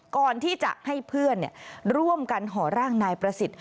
ก่อนที่จะให้เพื่อนร่วมกันห่อร่างนายประสิทธิ์